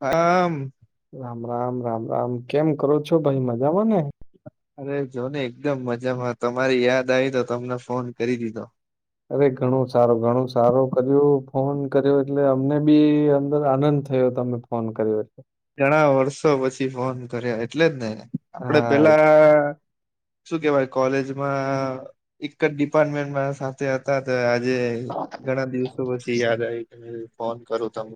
હમ રામ રામ રામ રામ કેમ કરો છો ભાઈ મજામાંને અરે જો ને એકદમ મજામાં તમારી યાદ આવી તો તમને ફોન કરી દીધો અરે ઘણું સારું ઘણું સારું કર્યું ફોન કર્યો એટલે અમને બી અંદર આનંદ થયો તમે ફોન કર્યો એટલે ઘણા વર્ષો પછી ફોન કર્યા એટલે જ ને આપડે હા પેલા એટલે શું કેવાય કોલેમાં એક જ ડિપાર્ટમેન્ટમાં સાથે હતા જે ઘણા દિવસો પછી યાદ આવી ત ફોન કરું તમ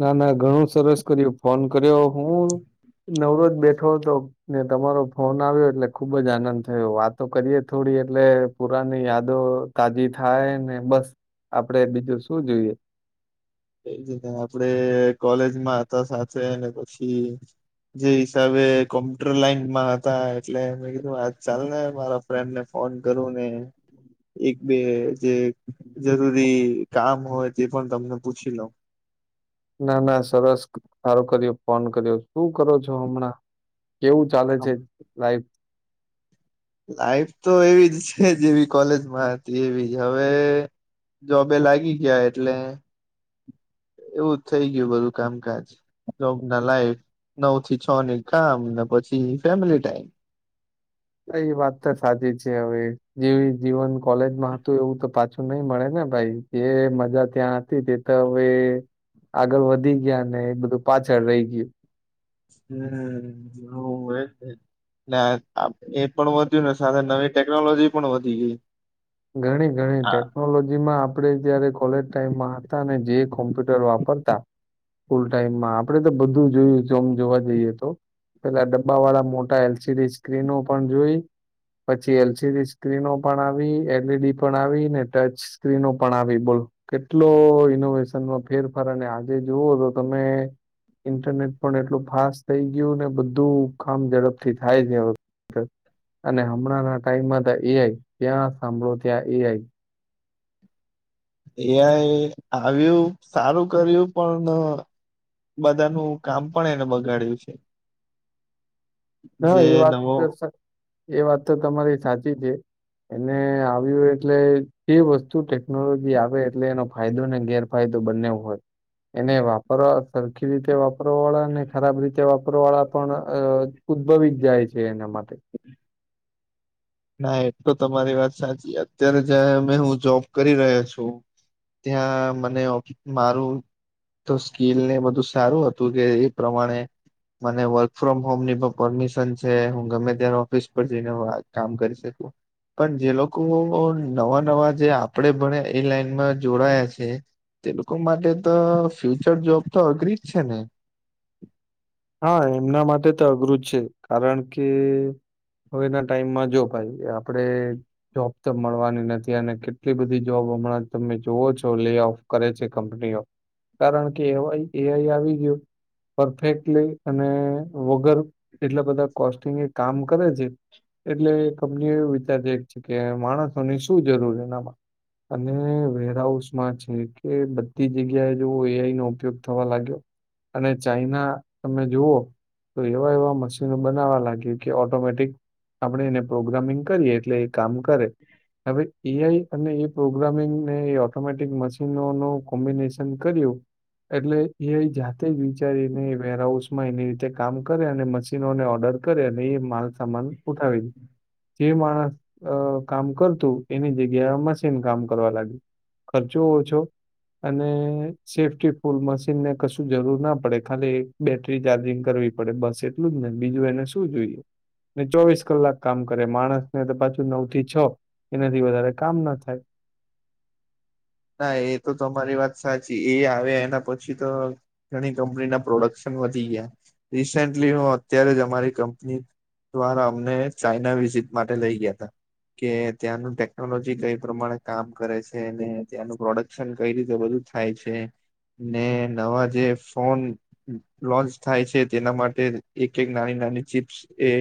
ના ના ઘણું સરસ કર્યું ફોન કર્યો હું નવરોજ બેઠો હતો ને તમારો ફોન આવ્યો એટલે ખુબજ આનંદ થયો વાતો કરીએ થોડી એટલે પુરાની યાદો તાજી થાય ને બસ આપણે બીજું શું જોઈએ એ જને આપડે કોલેજમાં હતા સાથે ને પછી જે હિસાબે કોમ્પ્યુટર લાઈનમાં હતા એટલે મે કીધું આ ચાલ ને મારા ફ્રેન્ડ ને ફોન કરું ને એક બે જે જરૂરી કામ હોય તે પણ તમને પૂછી લઉં. ના ના સરસ હારો કર્યો ફોન કર્યો શું કરો છો હમણાં? કેવું ચાલે છે લાઈફ? લાઈફ તો એવી જ છે જેવી કોલેજમાં હતી એવી જ હવે જોબે લાગી ગયા એટલે એવું થઈ ગયું બધું કામકાજ જોબ ના લાઈફ નવ થી છ ની કામ પછી ફેમિલી ટાઈમ. એ વાત તો સાચી છે હવે જેવી જીવન કોલેજમાં હતું એવું તો પાછું નઈ મળે ને ભાઈ. જે મજા ત્યાં હતી તે તો હવે આગળ વધી ગયા એ બધું પાછળ રહી ગયું. હમ્મ, હમ્મ. હા વો એજ ને ને એ પણ વધ્યું ને સાથે નવી ટેકનોલોજી પણ વધી ગઈ. ઘણી ઘણી હા ટેકનોલોજી માં આપે જયારે કોલેજ ટાઈમમાં હતા ને જે કોમ્પ્યુટર વાપરતા સ્કૂલ ટાઈમમાં આપડે તો બધું જોયું જોમ જોવા જઈએ તો. પેલા ડબ્બા વાળા મોટા એલ સીડી સ્ક્રીનો પણ જોઈ, પછી એલસીડી સ્ક્રીનો પણ આવી એલ એલડી પણ આવીને ટચ સ્ક્રીનો પણ આવી બોલો કેટલો ઇનોવેશનમાં ફેરફાર અને આજે જુવો તો તમે ઇન્ટરનેટ પણ એટલું ફાસ્ટ થઈ ગયું ને બધું કામ ઝડપથી થાય છે હવે [unintelligible] અને હમણાં ટાઈમમાં એ આઈ ત્યાં સાંભળો ત્યાં એ આઈ એ આઈ આવ્યું સારું કર્યું પણ અહ બધાનું કામ પણ એને બગાડ્યું છે. હા એ જે વાત નવો તો સા એ વાત તો તમારી સાચી છે. એને આવ્યું એટલે જે વસ્તુ ટેકનોલોજી આવે એટલે એનો ફાયદો ને ગેરફાયદો બંને હોય એને વાપરવા સરખી રીતે વાપ કરવા વાળાને ખરાબ રીતે વાપ ઉપરવાળા પણ અહ ઉદ્ભવી જાય છે એના માટે. ના એતો તમારી વાત સાચી અત્યારે જ હું જોબ કરી રહ્યો છું ત્યાં મને ઓફ મારું તો સ્કીલ ને બધું સારું હતું કે એ પ્રમાણે મને વર્ક ફ્રોમ હોમ ની પણ પરમિશન છે હું ગમે ત્યારે ઓફિસ પર જઈને વા કામ કરી શકું. પણ જે લોકો નવા નવા જે આપણેે ભણે એ લાઈનમાં જોડાયા છે તે લોકો માટે તો ફ્યુચર જોબ તો અઘરી જ છે ને? હા એમના માટે તો અઘરું છે કારણ કે હવેના ટાઈમમાં જો ભાઈ આપણે જોબ તો મળવાની નથી અને કેટલી બધી જોબ હમણાં તમે જોવો છો લે ઓફ કરે છે કંપનીઓ કારણ કે એ ઓ આઈ એ આઈ આવી ગયું પરફેક્ટ ટીલી અને વગર એટલા બધા કોસ્ટિંગ એ કામ કરે છે એટલે એ કંપની એવ વિચારી છે કે માણસોની શું જરૂર એનામાં અને વેરહાઉસમાં છે કે બધી જગ્યાએ જેવો એ આઈ નો ઉપયોગ થવા લાગ્યો અને ચાઈના તમે જુઓ તો એવા એવા મશીનો બનાવવા લાગી કે ઓટોમેટિક આપણે એને પ્રોગ્રામિંગ કરીએ એટલે કામ કરે. હવે એ આઈ અને એ પ્રોગ્રામિંગ ને એ ઓટોમેટિક મશીનો નો કોમ્બિનેશન કર્યું એટલે એ આઈ જાતે જ વિચારીને વેર હાઉસમાં એની રીતે કામ કરે અને મશીનોને ઓર્ડર કરે અને એ માલસામાન ઉઠાવી દે. જે માણસ અહ કામ કરતું એની જગ્યાએ મશીન કામ કરવા લાગ્યું ખર્ચો ઓછો અને સેફ્ટી ફૂલ મશીનને કશું જરૂર ના પડે ખાલી બેટરી ચાર્જિંગ કરવી પડે બસ એટલું જ નહી બીજું એને શું જોઈએ ને ચોવીસ કલાક કામ કરે માણસને તો પાછું નવ થી છ એનાથી વધારે કામ ના થાય. ના એ તો અરી વાત સાચી એ આવે એના પછી તો ઘણી કંપની ના પ્રોડક્શન વધી ગયા રિસેન્ટલી હું અત્યારે જ અમારી કંપની દ્વારા અમને ચાઈના વિઝિટ માટે લઈ ગયા તા કે ત્યાંનું ટેકનોલોજી કઈ પ્રમાણે કામ કરે છે ને ત્યાંનું પ્રોડક્શન કઈ રીતે બધું થાય છે ને નવા જે ફોન લોન્ચ થાય છે તેના માટે એક એક નાની નાની ચીપ્સ એ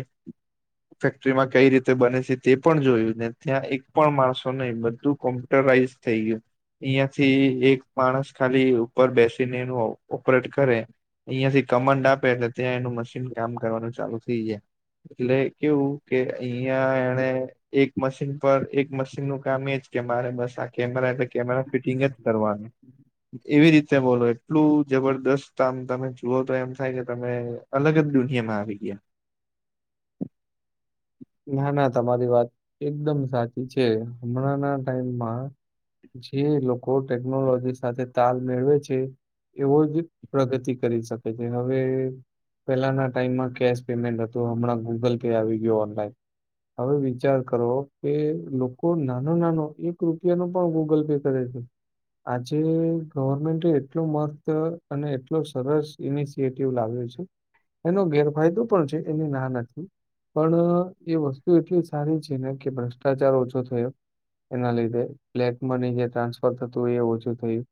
ફેક્ટરીમાં કઈ રીતે બને છે તે પણ જોયું ને ત્યાં એક પણ માણસો નહીં બધું કોમ્પ્યુટરાઈઝ થઈ ગયું. અહિયાંથી એક માણસ ખાલી ઉપર બેસીને એનું ઓપરેટ કરે અહિયાયાથી કમંડ આપે ત્યાં એનું મશીન કામ કરવાનું ચાલુ થઇ જાય. એટલે કેવું કે અહિયાં એને એક મશીન પર એક મશીનનું કામ એજ કે મારે બસ તા કેમરા પે કેમેરા ફિટિંગ જ કરવાનું. એવી રીતે બોલો એટલું જબરદસ્ત આમ તમે જુઓ તો એમ થાય કે તમે અલગ જ દુનિયામાં આવી ગયા. ના ના તમારી વાત એકદમ સાચી છે. હમણાં ના ટાઈમમાં જે લોકો ટેકનોલોજી સાથે તાલ મેળવે છે, એવો જ પ્રગતિ કરી શકે છે હવે પહેલાના ટાઈમમાં કેશ પેમેન્ટ હતું હમણાં ગૂગલ પે આવી ગયો ઓનલાઈન હવે વિચાર કરવો કે લોકો નાનો નાનો એક રૂપિયાનો પણ ગૂગલ પે કરે છે. આજે ગવર્મેન્ટ એટલો મસ્ત અને એટલો સરસ ઇનિશિયટિવ લાવ્યો છે એનો ગેરફાયદો પણ છે એને ના નથી પણ એ વસ્તુ એટલી સારી છે ને કે ભ્રષ્ટાચાર ઓછો થયો એના લીધે બ્લેક મની જે ટ્રાન્સફર થતુંય એ ઓછું થયું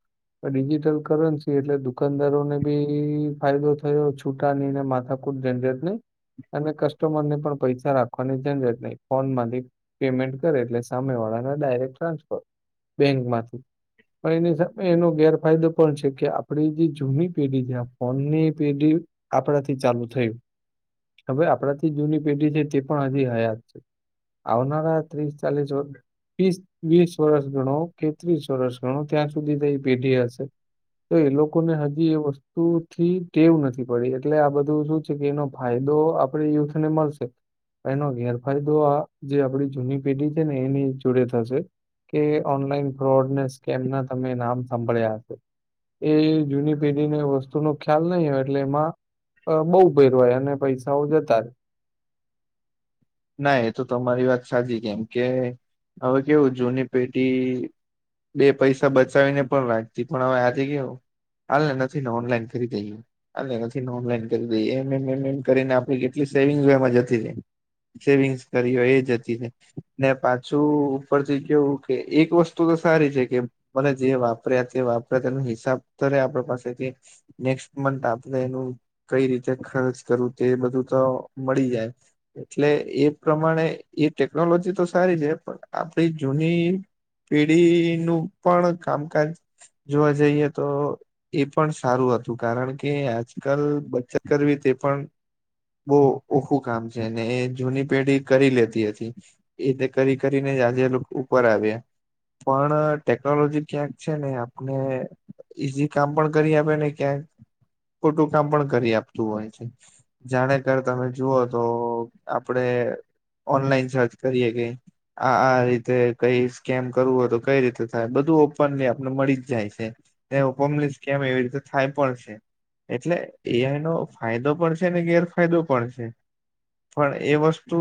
ડિજીિટલ કરન્સી એટલે દુકાનદારો ને બી ફાયદો થયો છૂટાની ને માથાકૂટ ઝંઝટ નહીં અને કસ્ટમર ને પણ પૈસા રાખ વાની ઝંઝટ નહી ફોન માંથી પેમેન્ટ કરે એટલે સામે વાળાને ડાયરેક્ટ ટ્રાન્સફર બેંક માંથી પણ એની સા એનો ગેરફાયદો પણ છે કે આપડી જે જૂની પેઢી જ્યાં ફોનની પેઢી આપણાથી ચાલુ થયું. હવે આપણાથી જૂની પેઢી છે તે પણ હજી હયાત છે. આવનારા ત્રીસ ચાલીસ વર વીસ વીસ વર્ષ ગણો કે ત્રીસ વર્ષ ગણો ત્યાં સુધી પેઢી હશે તો એ લોક લોકો ને હજી એ વસ્તુ થી ટેવ નથી પડી એટલે આ બધું શું છે કે એનો ફાયદો આપણે યુથ ને મળશે. એનો ગેરફાયદો આ જે આપડી જૂની પેઢી છે ને એની જોડે થશે કે ઓનલાઈન ફોડને સ્કેમ ના તમે નામ સાભળ્યા હશે એ જૂની પેઢીને વસ્તુ શ નું ખ્યાલ નહી હોય એટલે એમાં અ બહુ ભેરવાય અને પૈસાઓ જતા જ ના એ તો તમારી વાત સાચી કેમ કે હવે કેવું જૂની પેટી બે પૈસા બચાવીને પણ રાખતી પણ હવે આજ કેવું હાલને નથી ને ઓનલાઈન કરી દે હાને નથી ને ઓનલાઈન કરી દઈ એમ એમ એમ એમ કરીને આપ કેટલી સેવિંગ એમાં જતી રહે સેવિંગ્સ કરી હો એ જતી ને પાછું ઉપરથી કેવું કે એક વસ્તુ તો સારી છે કે મને જે વાપર્યા તે વાપર્યા તેનો હિસાબ કર આપણે પાસેથી નેક્સ્ટ મથ આપણે એનું કઈ રીતે ખર્ચ કરવું તે બધું તો મળી જાય એટલે એ પ્રમાણે એ ટેકનોલોજી તો સારી છે પણ આપડી જૂની પેઢીનું પણ કામકાજ જોવા જઈએ તો એ પણ સારું હતું કારણ કે આજકાલ બચત કરવી તે પણ બહુ ઓખું કામ છે. જેને જૂની પેઢી કરી લેતી હતી એ તે કરી કરીને જ આજે લોકો ઉપર આવ્યા પણ ટેકનોલોજી ક્યાંક છે ને આપને ઈઝી કામ પણ કરી આપે ને ક્યાંક ખોટું કામ પણ કરી આપતું હોય છે જાણે કર તમે જુઓ તો આપડે ઓનલાઈન સર્ચ કરીએ કે આ આ રીતે કઈ સ્કેમ કરવું હોય તો કઈ રીતે થાય બધું ઓપનલી આપને મળી જ જાય છે ઓપનલી સ્કેમ એવી રીતે થાય પણ છે એટલે એઆ નો ફાયદો પણ છે ને ગેરફાયદો પણ છે. પણ એ વસ્તુ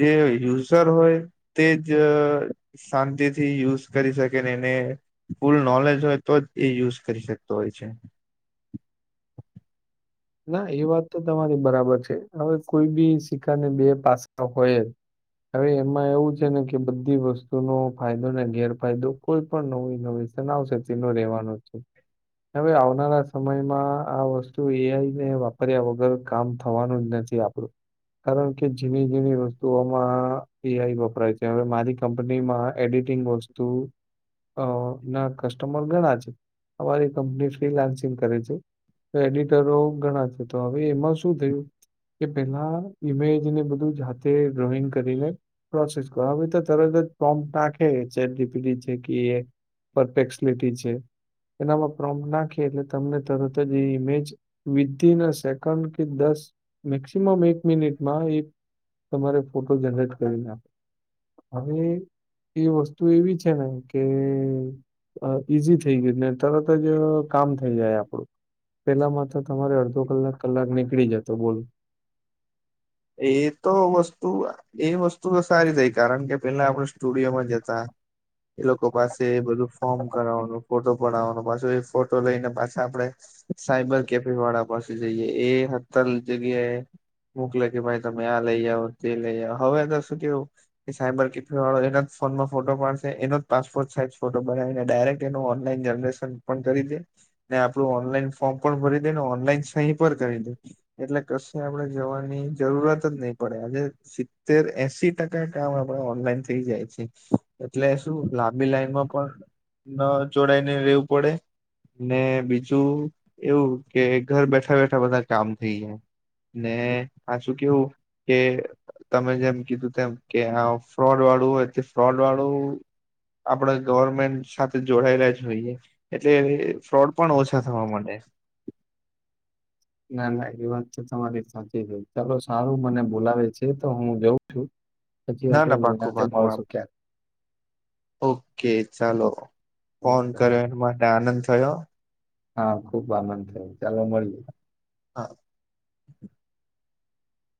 જે યુઝર હોય તે જ શાંતિથી યુઝ કરી શકે એને ફૂલ નોલેજ હોય તો જ એ યુઝ કરી શકતો હોય છે. ના એ વાત તો તમારી બરાબર છે હવે કોઈ બી સિક્કાની બે પાસા હોય હવે એમાં એવું છે ને કે બધી વસ્તુ નુ ફાયદો ને ગેરફાયદો કોઈ પણ નવી નવી સનાવસે તેનો રહેેવાનો છે હવે આવનારા સમયમાં આ વસ્તુ એ આઇ ને વાપર્યા વગર કામ થવાનું જ નથી આપણું કારણ કે ઝીણી જઝણી વસ્તુઓમાં એઆઈ વપરાય છે હવે મારી કંપનીમાં એડિટિંગ વસ્તુ અ ના કસ્ટમર ગણા છે અમારી કંપની ફ્રીલાન્સિંગ કરે છે એડિટરો ણા થ હવે એમાં શું થયું કે પેલા ઈમેજને બધું જાતે ડ્રોઈંગ કરીને પ્રોસેસ કરો હવે તરત જ પ્રોમ્પ નાખે ચેટજીપીડી છે કે પરફેટી છે એનામાં પ્રોમ્પ નાખે એટલે તમને તરત જ એ ઇમેજ વિધિન અ સેકન્ડ કે દસ મેક્સિમમ એક મિનિટમાં એક તમારે ફોટો જનરેટ કરીનેખે હવે એ વસ્તુ એવી છે ને કે ઈઝી થઈ ગય ને તરત જ કામ થઈ જાય આપણું પેલામાં તો તમારે અડધો કલાક કલાક નીકળી જતો બોલો એ તો વસ્તુ એ વસ્તુ તો સારી થઈ કારણ કે પેલા આપણે સ્ટુડિયોમાં જતા એ લોકો પાસે બધું ફોર્મ કરાવવાનું ફોટો પડાવવાનો પાછો એ ફોટો લઈને પાછા આપડે સાયબર કેફે વાળા પાસે જઈએ એ હતાલ જગ્યા એએ મોકલે કે ભાઈ તમે આ લઈ આવઓ તે લઈ આવ હવે શું કેવું કે સાયબર કીફૈ વાળો એના ફોનમાં ફોટો પાડશે એનો જ પાસપોર્ટ સાઈઝ ફોટો બનાવીને ડાયરેક્ટ એનું ઓનલાઈન જનરેશન પણ કરી દે ને આપણું ઓનલાઈન ફોર્મ પણ ભરી દે ને ઓનલાઈન સહી પર કરી દે એટલે કશે આપણે જોવાની જરૂરત જ નહી પડે આજે સિત્તેર એસી ટકા કામ આપણે ઓનલાઈન થઈ જાય છે એટલે શું લાંબી લાઈનમાં પણ ન જોડાાયને રહેેવું પડે ને બીજું એવું કે ઘર બેઠા બેઠા બધા કામ થઈ જાય ને હચું કેવું કે તમે જેમ કીધું તેમ કે આ ફ્રોડ વાળું હોય તે ફ્રોડ વાળું આપડા ગવર્મેન્ટ સાથે જોડાયેલા જોઈએ એટલે ફ્રોડ પણ ઓછા થવા મળે ના ના એ વાત છે તમારી સાચી ચાલો સારું મને બોલાવે છે તો હું જઉં છું પછી ના આપણે ના પાકું નિરાંતે પાકું મળશુ ક્યાંક ઓકે ચાલો ફોન કર્યો એ માટે આનંદ છયો હા ખુબ આનંદ થયો ચાલો મળીએ. હા